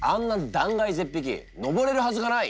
断崖絶壁登れるはずがない。